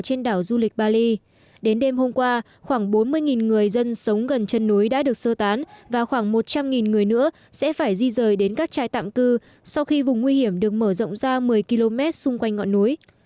trên đảo du lịch bali đến đêm hôm qua khoảng bốn mươi người dân sống gần chân núi đã được sơ tán và khoảng một trăm linh người nữa sẽ phải di rời đến các trại tạm cư sau khi vùng nguy hiểm được mở rộng ra một mươi km xung quanh ngọn núi